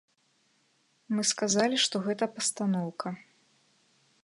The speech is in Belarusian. Мы сказалі, што гэта пастаноўка.